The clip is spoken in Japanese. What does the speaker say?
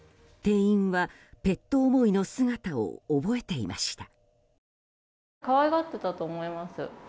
店員は、ペット思いの姿を覚えていました。